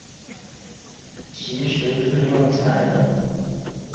其实是用猜的